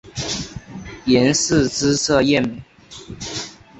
阎氏姿色艳美。